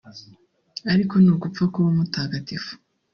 Ariko ni ugupfa kuba umutagagifu